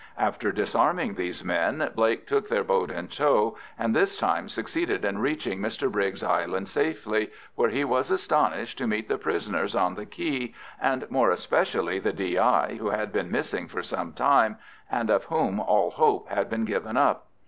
After disarming these men Blake took their boat in tow, and this time succeeded in reaching Mr Briggs' island safely, where he was astonished to meet the prisoners on the quay, and more especially the D.I., who had been missing for some time, and of whom all hope had been given up.